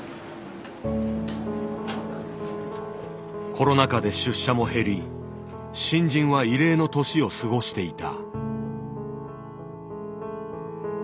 コロナ禍で出社も減り新人は異例の年を過ごしていた。